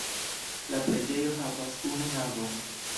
La preĝejo havas unu navon.